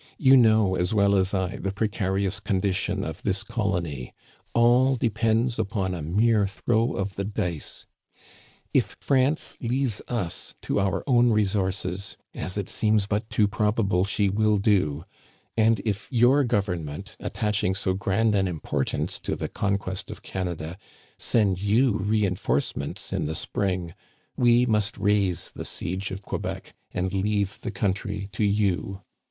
"You know as well as I the precarious condition of this colony ; all depends upon a mere throw of the dice. If France leaves us to our own resources, as it Digitized by VjOOQIC 212 T'HE CANADIANS OF OLD. seems but too probable she will do, and if your Govern ment, attaching so grand an importance to the conquest of Canada, send you re enforcments in the spring, we must raise the siege of Quebec and leave the country to you.